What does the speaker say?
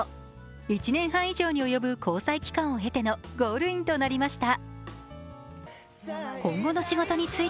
１年半以上に及ぶ交際期間を経てのゴールインとなりました。